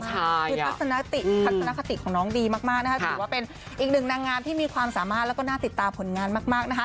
คือทัศนทัศนคติของน้องดีมากนะคะถือว่าเป็นอีกหนึ่งนางงามที่มีความสามารถแล้วก็น่าติดตามผลงานมากนะคะ